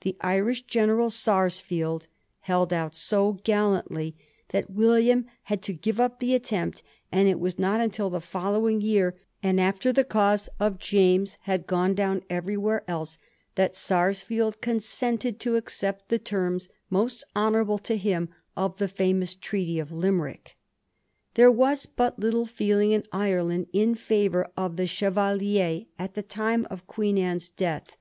The Irish general, Sarsfield, held out so gallantiy that William had to give up the attempt, and it was not until the following year, and after the cause of James Digiti zed by Google 110 A HISTORY OF THE FOUR GEORGES. oh. t. had gone down everjrwhere else, that Sarsfield con sented to accept the terms, most honourable to him, of the famous Treaty of Limerick. There was but little feeling in Ireland in favour of the Chevalier at the time of Queen Anne's death.